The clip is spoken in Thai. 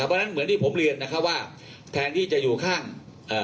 เพราะฉะนั้นเหมือนที่ผมเรียนนะครับว่าแทนที่จะอยู่ข้างเอ่อ